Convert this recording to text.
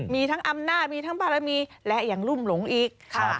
มีทั้งอำนาจมีทั้งบารมีและยังรุ่มหลงอีก